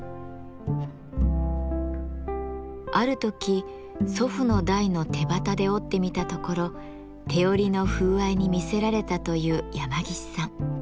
ある時祖父の代の手機で織ってみたところ手織りの風合いに魅せられたという山岸さん。